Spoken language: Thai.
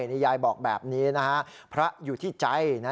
นี่ยายบอกแบบนี้นะฮะพระอยู่ที่ใจนะ